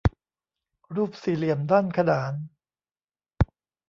รูปสี่เหลี่ยมด้านขนาน